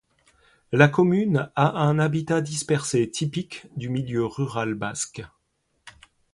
La commune a un habitat dispersé typique du milieu rural basque.